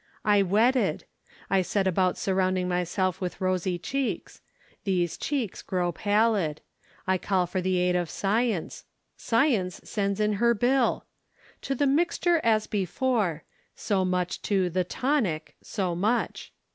—I wedded. I set about surrounding myself with rosy cheeks. These cheeks grow pallid. I call for the aid of Science—Science sends in her bill! "To the Mixture as Before," so much to "the Tonic," so much.